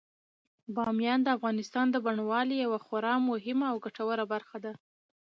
بامیان د افغانستان د بڼوالۍ یوه خورا مهمه او ګټوره برخه ده.